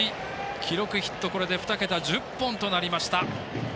記録ヒットこれで２桁１０本となりました。